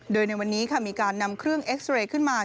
โดยในวันนี้ค่ะมีการนำเครื่องเอ็กซ์เรย์ขึ้นมา